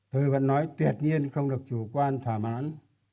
tôi vẫn nói tuyệt nhiên không được chủ quan thỏa mãn